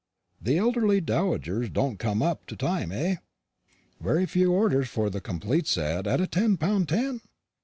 The elderly dowagers don't come up to time, eh? Very few orders for the complete set at ten pound ten?"